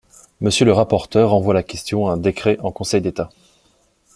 Monsieur le rapporteur renvoie la question à un décret en Conseil d’État.